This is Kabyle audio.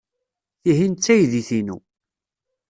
Tihin d taydit-inu.